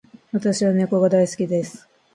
私は猫が大好きです。